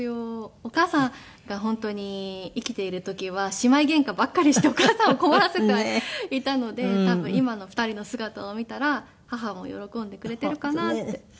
お母さんが本当に生きている時は姉妹ゲンカばかりしてお母さんを困らせていたので多分今の２人の姿を見たら母も喜んでくれているかなって思います。